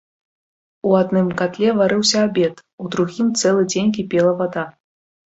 У адным катле варыўся абед, у другім цэлы дзень кіпела вада.